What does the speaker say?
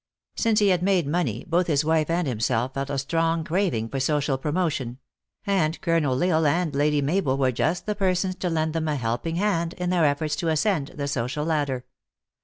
Since he had made money, "both his wife and himself felt a strong craving for so cial promotion ; and Colonel L Isle and Lady Mabel were just the persons to lend them a helping hand in their efforts to ascend the social ladder.